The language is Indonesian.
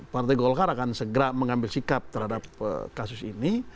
partai golkar akan segera mengambil sikap terhadap kasus ini